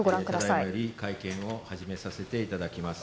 これより会見を始めさせていただきます。